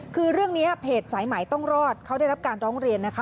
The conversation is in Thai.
คือเรื่องนี้เพจสายใหม่ต้องรอดเขาได้รับการร้องเรียนนะคะ